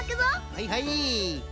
はいはい。